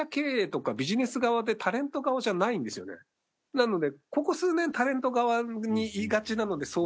なので。